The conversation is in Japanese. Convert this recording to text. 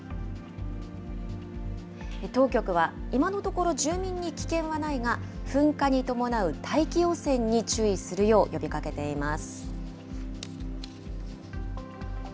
当局は、今のところ、住民に危険はないが、噴火に伴う大気汚染に注意するよう呼びかけています。